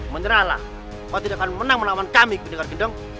menyerahlah kau tidak akan menang menawan kami bidikar gendong